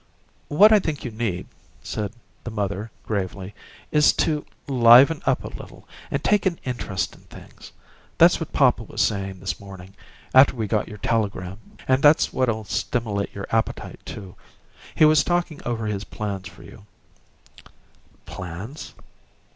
"What I think you need," said the mother, gravely, "is to liven up a little and take an interest in things. That's what papa was sayin' this morning, after we got your telegram; and that's what'll stimilate your appetite, too. He was talkin' over his plans for you " "Plans?"